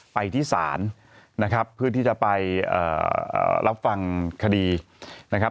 ไปที่ศาลนะครับเพื่อที่จะไปรับฟังคดีนะครับ